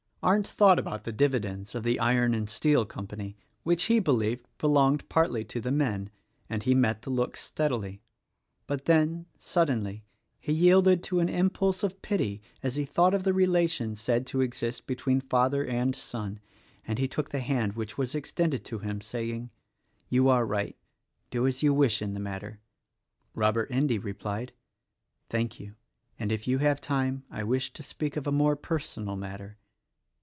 THE RECORDING ANGEL 49 Arndt thought about the dividends of the Iron and Steel Company — which he believed belonged partly to the men — and he met the look steadily; but then, sud denly, he yielded to an impulse of pity as he thought of the relations said to exist between father and son, and he took the hand which was extended to him, saying, "You are right! Do as you wish in the matter." Robert Endy replied, v 'Thank you, and if you have time, I wish to speak of a more personal matter."